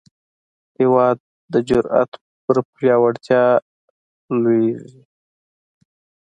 هېواد د جرئت په پیاوړتیا لویېږي.